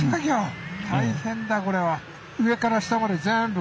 大変だこれは。